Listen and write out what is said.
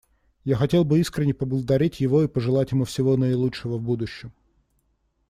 Я хотел бы искренне поблагодарить его и пожелать ему всего наилучшего в будущем.